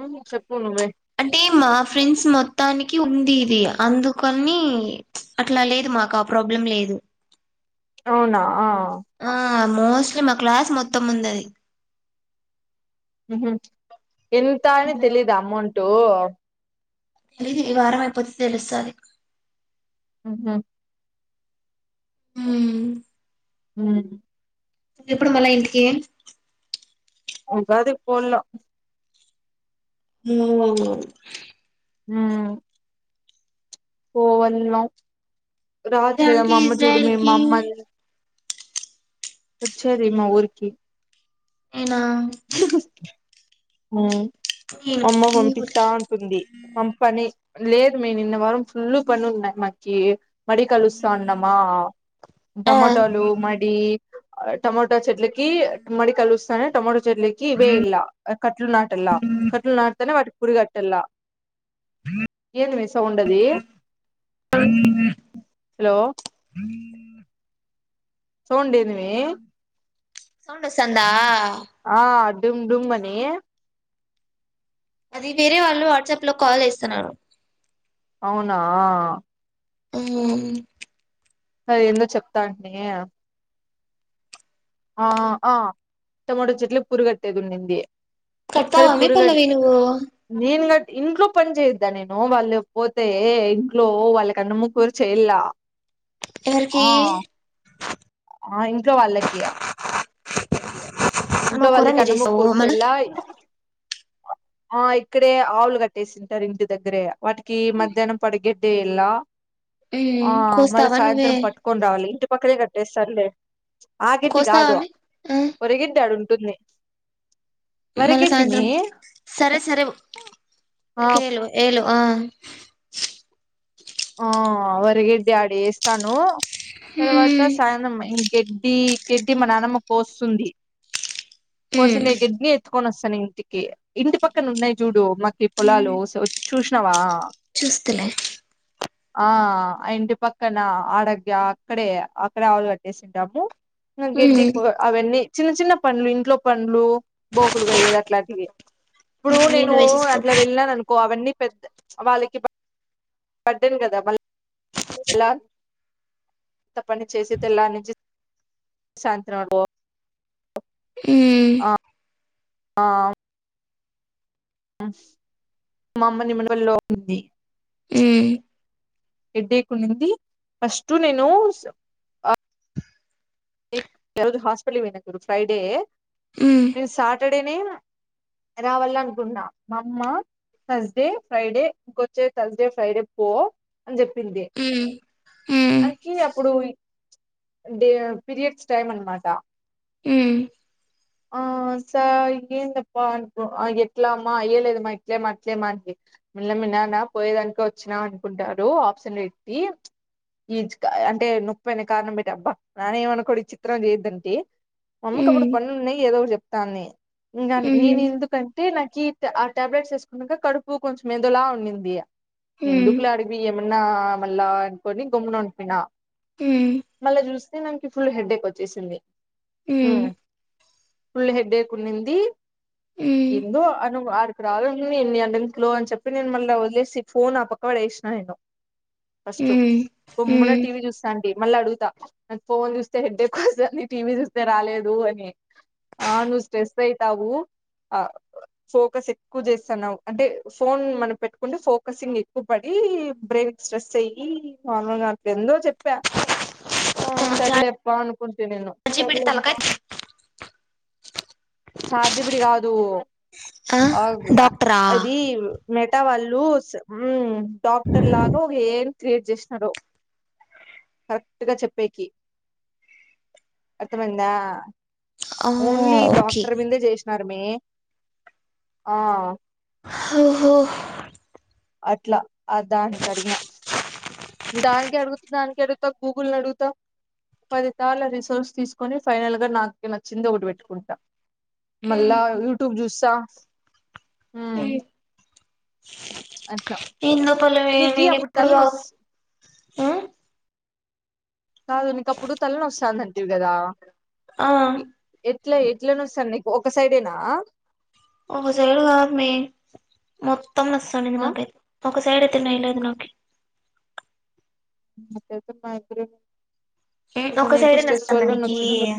ఆ నిక్ చెప్పు నువ్వే అంటే మా ఫ్రెండ్స్ మొత్తానికి ఉంది. ఇది అందుకని అట్లా లేదు మాకు ఆ ప్రాబ్ బ్లాం లేదు. అవునా ఆ ఆ మోస్ట్లీ మా క్లాస్ మొత్తం ఉందది. ఉహ్ హు ఇంత అని తెలీదా అమౌంటు లిది. ఈ వారం అయిపోతే తెలుస్తది. ఉహ్ హు ఊమ్మ్ ఊమ్మ్ ఎప్పుడు మళ్ళా ఇంటికీ. ఉగాది పోవ్ల్ల ఊమ్మ్ ఊమ్మ్ పోవల్న రావచ్చు గదా. ఇరాన్కి మా అమ్మ చూడు ఇజ్రాయెల్ మే మా కి అమ్మ ఓచ్చేది మా ఊరికి నేనా ఊమ్ నేను అమ్మ మీ పంపిస్తా ఊరికి అంటుంది. పంపనీ లేదు మే. నిన్న వారం ఫుల్ పనున్నది మాకీ. మడి కలుస్తాడామా. ఆ టమోటాలు, మడీ ఆ టమోట్ టా చెట్లకీ మడి కలుస్తానే. టమాటో చెట్లకి వేల్లా కట్లు నాట్ టల్ల. కట్లు నాటుతనే వాటికి పురుగేటలా. ఏంది మే సు త ఉండది హలో సొండుడేందిమే సౌండు ఓస్తందా. ఆ డుమ్ డుమ్ మనీ అది వేరే వాళ్ళు అట్సాప్ లో కాల్ జెస్తున్నారు. అవునా ఉహ్మ్ అదేందో చెప్తా అంట్నేయే ఆ ఆ టమాటో చెట్లుకు పురిగట్టేది ఉండింది. సరే కడతావా మే పురుగట్ పల్లవి నువ్వు నేన్ గట్ ఇంట్లో పని చేయద్దా నేను. వాళ్ళు పోతే ఇంట్లో వాళ్ళ కన్నమూకుర చెయ్యేలా ఎవర్కీ ఆ ఇంట్లో వాళ్ళకి య ఏమో ఇంట్లో కూర వాళ్ళకి అన్నము చేసావు కూర మళ్ళ చెయ్యేళ్ళ. ఆ ఇక్కడే ఆవులు కట్టేసింటారు ఇంటి దగ్గరే. వాటికి మధ్యాహ్నం పడిగే డేయేళ్ళ మ్మ్ ఆ మళ్ళ కోస్తావా సాయంత్రం నువ్వే పట్టుకొని రావాలి. ఇంట్ టి పక్కనే గట్టే సల్లేే. ఆ గడ్డి గాదు, కోస్తావామే ఆ వరిగడ్డి ఆడుంటుంది. మళ్ళ వరిగడ్డి మే సాయంత్రం సరే సరే ఆ ఏళో ఏళో ఆ ఆ వరిగడ్డి ఆడేస్తాను తర్వాత హ్మ్ సాయంత్రం ఇ గెడ్డీ గెడ్డీ మ నానమ్మ కోస్తుంది హ్మ్ కోసిందె గెడ్ని త్తు క్కొని వస్తాను ఇంటికి ఇంటి పక్కన ఉన్నయి జూడు మాకి పొలాలు సో చూస్ నావా చూస్తలె ఆ అ ఇంటి పక్కన ఆడగ్గా అక్కడే అక్కడే ఆవులు కట్టేసి ఉంటాము అ గడ్డి హ్మ్ కో అవన్నీ చిన్న చిన్న పన్లు ఇంట్లో పన్లు బోకులు కడిగేది అట్లాంటియె ఇప్పుడు నేను నీళ్ళు వేసేసుకో అట్లా వెళ్ళనను కో అవన్నీ పెద్ద వాళ్ళకి ప బర్డెన్ గదా వాల్ లా అంత పని చేసి తెల్లారినించి సాయంత్రం బో హ్మ్ ఆ మా అమ్మ నిమ్మడి వళ్ళో ఉంది హ్మ్ ఎడ్డీ కొన్నింది ఫస్ట్ నేను అ ఎక్ ఈరోజు హాస్పిటల్ పోయినా ఫ్రైడే హ్మ్ నేను సాటర్డేనే రావాల అనుకున్నా మా అమ్మ థర్స్డే ఫ్రైడే ఇంకొచ్చే థర్స్డే ఫ్రైడే పో అని జెప్పింది హ్మ్ అక్కి అప్పుడు డే పీరియడ్స్ టైమ్ అనమాట హ్మ్ ఓ ఆన్ సార్ ఏందప్ప అన్కో ఎట్లా అమ్మా ఏం లేదమ్మా ఇట్లేమ అట్లేమ మల్లె మీ న్నానా పోయేదానిక వచ్చినా అనుకుంటారు ఆప్షన్ ఎట్టి ఈజ్క అంటే నొప్పెన కారణం ఎటబ్బ నాన ఏమను కోడ్ చిత్రం చేయదంటే అమ్మ కి అప్పుడు హ్మ్ హ్మ్ పన్లు ఉన్నాయి ఏదో ఒకటి జెప్తానే ఇంగ నేను హ్మ్ ఎందుకంటే నా కీట్ ఆ టాబ్లెట్స్ ఎసుకున్నాక కడుపు కొంచెం ఎదోలా ఉండింది హ్మ్ హ్మ్ ఎందుకులె అడి బియ్యం మొన్నా మళ్ళా అనుకని గొమ్మిన పిన మళ్ళ జూస్తే ఫుల్ హెడ్ ఏక్ వచ్చేసింది హ్మ్ ఫుల్ హెడ్ ఎక్ ఉన్నింది హ్మ్ ఎందో అను ఆరు రారు అనుకొని ఎన్ని గంటలో అని చెప్పి నేన్ మళ్ళ వదిలేసి ఫోన్ ఆ పక్క పడేసిన నేను ఫస్ హ్మ్ బొమున్న హ్మ్ టీవీ చూస్తాంటి మళ్ళ అడుగుతా ఫోన్ చూస్తే హెడ్డె ఏక్ వస్తుంది అని టీవీ చూస్తే రాలేదు అని ఆ నువ్ స్ట్రెస్ అయితావు ఆ ఫోకస్ ఎక్కువ జెస్తన్నావ్ అంటే ఫోన్ మనం పెట్టుకుంటే ఫోకసింగ్ ఎక్కువ పడి ఈ బ్రెన్ కి స్ట్రెస్ అయ్యి మాములు గా ఎందో చెప్పా ఆ సర్లే చాట్ ప్పనుకుంటి నేను జీపీటీ తలకాయ్ చార్ట్ జిపిటి కాదు ఆ డాక్టరా అదీ మె మెట వాళ్ళు డాక్టర్ లాగా ఒక ఏఐ క్రియేట్ జేసినరు కరెక్ట్ గ చెప్పేకి అర్థమైందా ఆ ఓన్లీ ఓకే డాక్టర్ మీందే జేసినారు మే ఆ ఓహో అట్లా ఆ దానికి అడిగిన దానికె అడుగుతునాన్ కెడ్త గూగుల్ నడుగుతావ్ పది తార్ల రిసోర్స్ తీస్కొని ఫైనల్గా నాకే నచ్చింది ఒకటిబెట్టుకుంట మళ్ళా యూట్యూబ్ జూస్తా హ్మ్ ఎంద పలుమే నీకి నేను అప్పుడు ఎప్పుడు కా తలనొస్ ఉమ్ కాదు నీకు అప్పుడు తల్లనొస్తంది ఆంటీవి కదా ఆ ఎట్లా ఎట్న నొస్తండి నీకు ఒక సైడేనా ఒక సైడు కాదు మే మొత్తం నొస్తండి ఆ నాకైతే ఒక సైడ్ అయితే నోయ్యలేదు నాకి మాగ్రైన్ ఒక సైడే [inaudible] స్ట్రెస్ నస్తాందా వల్ల నీకి నోచుతుంది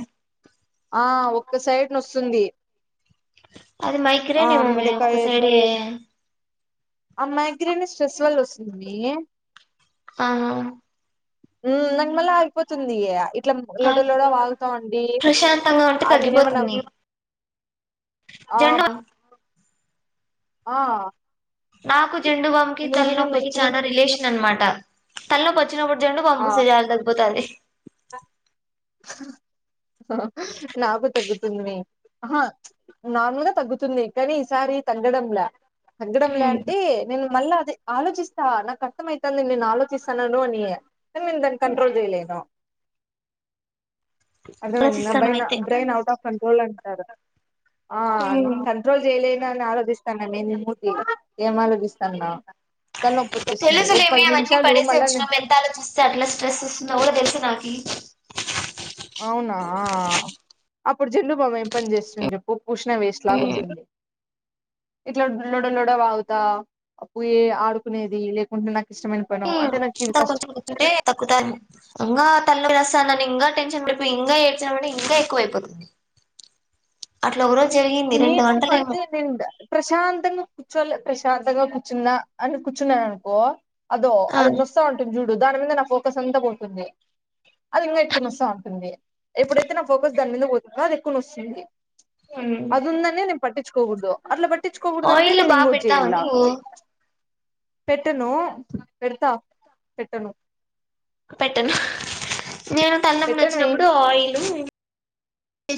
ఆ ఒక ఒక సైడ్ నొస్తుంది అది ఆ మగ్రైన్ ఏమో మే ఒక మిడకాయ సైడ ఆ మ్యాగ్రేన్ స్ట్రెస్ వల్ల వస్తుంది ఆ నాకు మళ్ళీ ఆగిపోతుంది ఇట్లా లోడో లోడో వాగుతాం అండి అపోతుంది ఆ జండ ఆ నాకు జెండు బామ్కి ఎందుకు పోయినా నువ్వు విను తలనొప్పికిి నొచ్చిన చనా రిలేషన్ అనమాట తలనొప్పి వచ్చి వచ్చినపుడు జన్దుబ్లం ఆ పుస్తి చాలు తగిపోతాడి నాకు తగ్గుతు ఆహా నార్మల్ గా తగ్గుతుంది కానీ ఈసారి తగ్గడంలా తగ్గడంలే మ్ అంటే నేను మళ్ళా అ ఆలోచిస్తా నాకు అర్థం అయితంది నేను ఆలోచిస్తానను అని కానీ నేను దాని కంట్రోల్ చేయలేను అర్థమయింద ఆలోచిస్తాను నా అయితే బ్రెయిన్ ఔట్ ఆఫ్ కంట్రోల్ అంటారు ఆ కంట్రోల్ చేయలేనా అని ఆలోచిస్తాను నీ మూతి ఏం ఆలోపిస్తాన్నా తెలుసులేమే అవన్నీ పడేస మళ్ళా నే- వచ్చినాం ఎంత ఆలోచిస్తే అట్లా స్ట్రెస్ ఇస్తుందో కూడా తెలుసు నాకు అవునా అప్పుడు జన్దుబ్లం ఏం పని చేస్తుంది చెప్పు పషిన వేస్ట్ లాగా మ్ ఉంటుంది ఇట్లా డల్లడల్లోడ వాగుతా పయే ఆడుకునేది లేకుంటే ఇష్టమైన పను ఇ అంటే నాకు ఇవి కష్టం కొంచెం కొంచే తగ్గుతుంది ఇకా తల్లు రసాన ఇంకా టెన్షన్ పడిపోయి ఇంకా ఏడ్చినంట ఇంకా ఎక్కువయిపోతుంది అట్లా ఒక రోజు జరిగింది రెండు నీను గంటలేమో మధ్య ప్రశాంతంగా కూర్చోలి ప్రశాంతంగా కూర్చున్నా అని కూర్చున్నా అనుకో అదో ఆ అది నొస్తవుంటుంది చూడు ప్పు దాని మీద నా ఫోకస్ అంతా పోతుంది అది ఇంకా ఎక్కువన నొస్త ఉంటుంది ఎప్పుడైతే నా ఫోకస్ దాని మీద పోతుందో అది ఎక్కువన నొస్తుంది మ్ అద ఉందన్న నేను పట్టికోకూడదు అట్లా పట్టించుకోకూడదుంటే ఆయిల్ నేను బాగా ఇంకోటి పెడతావా చేయలా నువ్వు పెట్టను పెడతా పెట్టను పెట్టను నేను తల్లనొప్పి పెట్టనువే వచ్చినప్పుడు ఆయిల్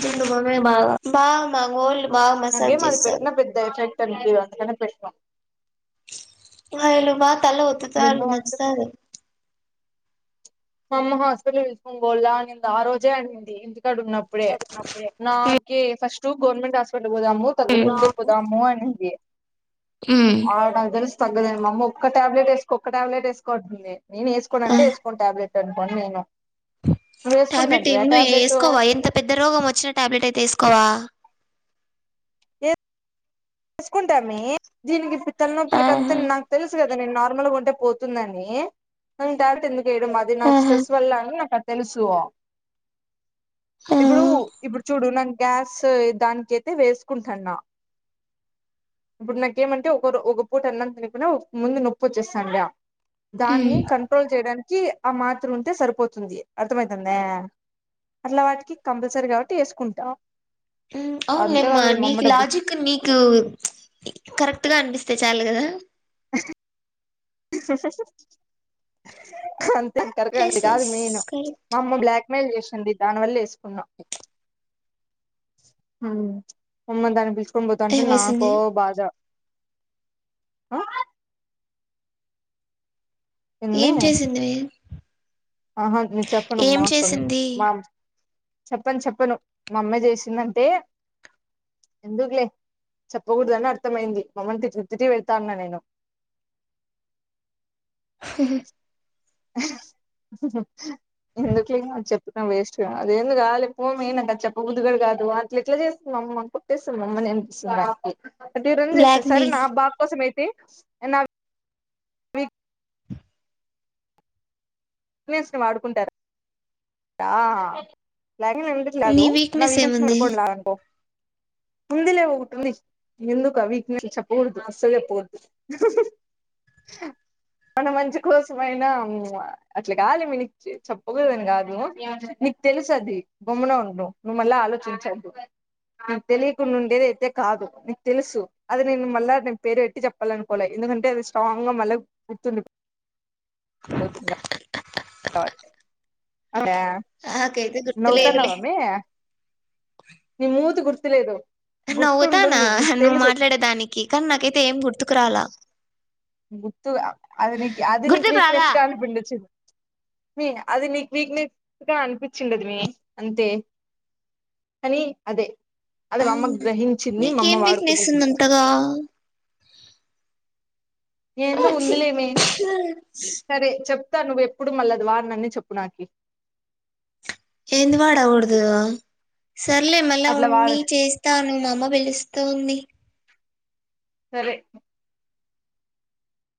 జండు బామ్ బాగా మావాళ్ళు బా మసాజ్ చేస్తారు అ పెట్ [inaudible] [inaudible] తల ఒత్తుతారు నేను నచ్చుతుంది మా అమ్మ హాస్పిటల్ తిస్కొని పోవాలా అనింది ఆ రోజే అనింది ఇక్కడ ఉన్నప్పుడే నాకే ఫస్ట్ గవర్నమెంట్ హాస్పిటల్ పోదాము తగ్గుకుంటే పోదాము అనింది మ్ ఆ తెలు తగ్గదం మ అమ్మ ఒక టాబ్లెట్ వేసుకో ఒక టాబ్లెట్ వేసుకోండి నేను ఆ వేసుకోనంటే వేసుకోను టాబ్లెట్ నేను [inaudible] టాబ్లెట్ వేసుకుందంటివా ఏమ టాబ్లెట్ వేసుకోవా ఎంత పెద్ద రోగం వచ్చిన టాబ్లెట్ అయితే వేసుకోవా చేసుకుంటామే దీనికిత్తలనొప్పులకి అంత ఆహా నాకు తెలుసు కదా ది నేన్ నార్మల్గా ఉంటే పోతుందండి డార్ట్ ఎందుకు వేయడం అది నాక్ ఆహా స్ట్రెస్ వల్ల అని నాకర్థ తెలుసూ ఆ ఇప్పుడు ఇప్పుడు చూడు నన్ గ్యాస్ దానికైతె వేసుకుంటాన్న ఇప్పుడు నాకేమంటే ఒకరో ఒక పూట అన్నం తినకపోయినా ముందు నొప్పోచ్చేస్తాంద్యా మ్ దాన్ని కంట్రోల్ చేయడానికి ఆ మాత్రుంటే సరిపోతుంది అర్థమైతుందా? అట్లా వాటికి కంపల్సరీ గాబట్టి ఏసుకుంటాం ఉమ్ అవున్లెమ్మ నీకి లాజిక్ నీక్ కు కరెక్ట్ గా అనిపిస్తే చాలు గదా అస్ అంతే అ కరెక్ట్ యెస్. కాదు యెస్. Main correct. మా అమ్మ బ్లాక్ మేల్ చేసింది దానివల్ల వేసుకున్నా హ్మ్ మొహమాటానికి పిలుచుకొని పోతాంటే నాకో ఏమేసింది? బాధ ఆ ఏం ఏమ్మి చేసింది ఆహా నె ఏం చెప్పనమ్మా సామి చేసింది? మామ్ చెప్పను చెప్పను మా అమ్మాయి చేసిందంటే ఎందుకులే చెప్పగూడదని అర్థమయింది మామ్మాయిని తిట్ తిట్ పెడ్తాన్న నేను స ఎందుకులేంగా చెప్పటం వేస్ట్గా అదేందుకు కావాలి పోమే నాకది చెప్పబుద్దిగుడ కాదు అట్లేట్లా చేస్తున్నవు కొట్టేస మామ్మని [unintelligible] అది రెం చేస్త సరే బ్లాక్‌మెయిల్. నా బాక్కోసం అయితే నా ఫ్లూయెన్స్ ని వాడుకుంటరు దా లాగిన్ [unintelligible] నీ నా వీక్‌నెస్ వీక్నెస్ ఏముంది? [unintelligible] ఉందిలే ఒకటుంది ఎందుకా వీక్నెస్లు చెప్ప గూడదు అస్సల్జెప్పకూడదు. మన మంచి కోసమయినా అట్లగాదులేమ్మీ నీకు చ్ చెప్పగూదనిగాదు నీకు తెలుసది గమ్మున ఉండు నుమళ్ళాల్ చించద్దు నిక్ తెలియకుండా ఉండేది అయితే కాదు నీకు తెలుసు అది నేను మళ్ళా నేను పేరు పెట్టి చెప్పాలనుకోలే ఎందుకంటే అది స్ట్రాంగ్ గ మళ్ళ గుర్తుండి పోతదిగా అద్యా నాకైతే గుర్తులేదులే. నవ్తన్నావమ్మే నీ మూతి గుర్తు లేదు నవ్వుతానా నువ్వు మాట్లాడేదానికి కానీ నాకైతే ఏం గుర్తుకు రాలా గుర్తు అ అది నీక్ అది నీకు గుర్తుకు వీక్నెస్ రాలా? గా అన్పించింది మీ అది నీకు వీక్నెస్ గా అనిపిచ్చిందది మే అంతే కనీ అదే అది మామ్మ అవునా? గ్రహించింది, మామ్మ నీకేం వీక్‌నెస్ వాడుకుండింది ఉందంతగా? ఏందో ఛీ! ఉందిలేమే సరే చెప్ త్తా నువ్వెప్పుడు మళ్ళది వాడనని నని చెప్పు నాకి ఎంది వాడగూడదు సర్లే మళ్ల అట్లా వాడ ఉండి చేస్తాను మామ్మ పిలుస్తూ ఉంది. సరే